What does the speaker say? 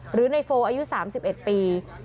หรือในโฟอายุ๓๑ปี